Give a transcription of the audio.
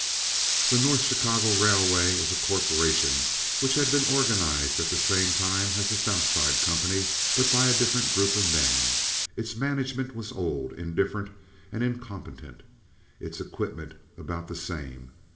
The North Chicago City Railway was a corporation which had been organized at the same time as the South Side company, but by a different group of men. Its management was old, indifferent, and incompetent, its equipment about the same.